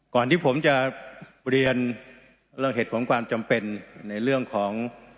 ก่อนที่ผมจะเรียนเรื่องเหตุของความจำเป็นในเรื่องของ